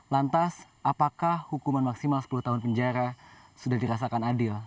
lantas apakah hukuman maksimal sepuluh tahun penjara sudah dirasakan adil